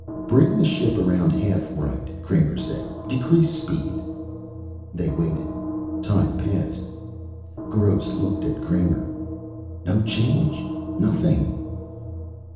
"Bring the ship around half right," Kramer said. "Decrease speed." They waited. Time passed. Gross looked at Kramer. "No change. Nothing."